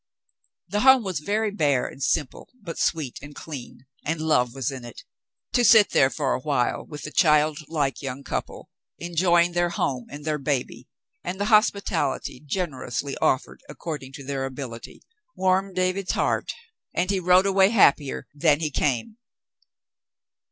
The home was very bare and simple, but sweet and clean, and love was in it. To sit there for a while with the child like young couple, enjoying their home and their baby and the hospitality generously offered according to their ability, warmed David's heart, and he rode away happier than he came.